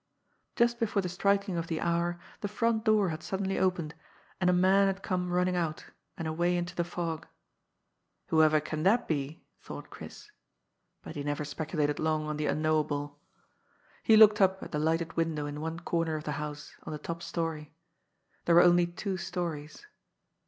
Just before the striking of the hour the front door had suddenly opened, and a man had come running out, and away into the fog. " Whoever can that be ?" thought Chris ; but he never speculated long on the unknowable. INTO A CLOUD OP MIST. 7 He looked np at the lighted window in one corner of the house, on the top story. There were only two stories.